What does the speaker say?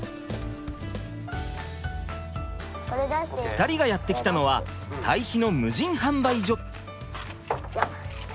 ２人がやって来たのは堆肥の無人販売所。